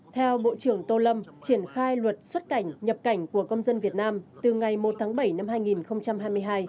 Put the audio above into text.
theo bộ trưởng tô lâm triển khai luật xuất cảnh nhập cảnh của công dân việt nam từ ngày một tháng bảy năm hai nghìn hai mươi hai